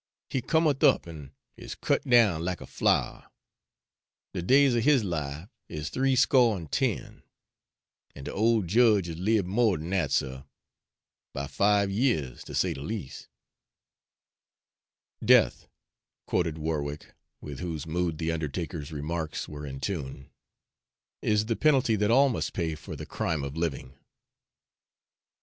He cometh up an' is cut down lack as a flower.' 'De days er his life is three sco' an' ten' an' de ole jedge is libbed mo' d'n dat, suh, by five yeahs, ter say de leas'." "'Death,'" quoted Warwick, with whose mood the undertaker's remarks were in tune, "'is the penalty that all must pay for the crime of living.'"